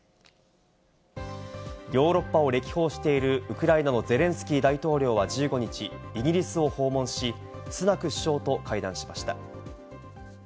ヨーロッパを歴訪しているウクライナのゼレンスキー大統領は１５日、イギリスを訪問し、スナク首相と会談しました。